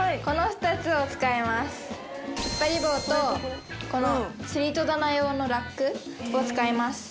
突っ張り棒とこの吊り戸棚用のラックを使います。